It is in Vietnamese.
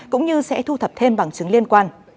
cũng như sẽ thu thập thêm bằng chứng liên quan